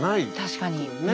確かに。ね。